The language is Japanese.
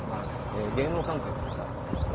芸能関係の方